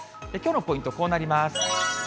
きょうのポイント、こうなります。